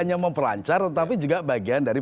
hanya memperlancar tetapi juga bagian dari